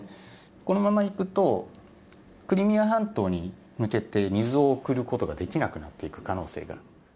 このままいくと、クリミア半島に向けて、水を送ることができなくなっていく可能性がある。